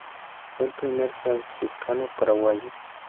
Él fue el primer franciscano paraguayo.